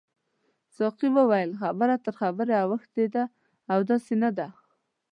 ساقي وویل خبره تر خبرې اوښتې ده او داسې نه ده.